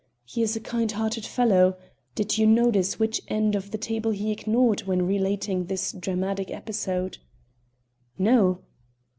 He is a kind hearted fellow. Did you notice which end of the table he ignored when relating this dramatic episode?" "No."